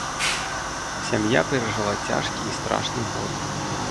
Сям'я перажыла цяжкі і страшны год.